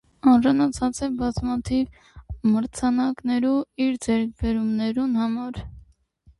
Արժանացած է բազմաթիւ մրցանակներու, իր ձեռքբերումներուն համար։